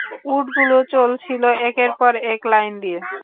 উটগুলো চলছিল একের পর এক, লাইন দিয়ে।